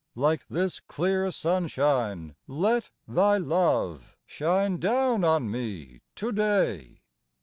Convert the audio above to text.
Like this clear sunshine, let Thy love Shine down on me to day